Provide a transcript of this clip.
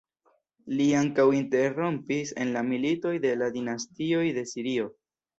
Li ankaŭ interrompis en la militoj de la dinastioj de Sirio.